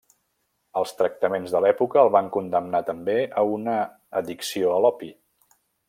Els tractaments de l'època el van condemnar també a una addicció a l'opi.